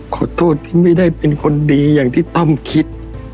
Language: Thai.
ขอโทษที่ไม่ได้เป็นคนดีอย่างที่ต้อมคิด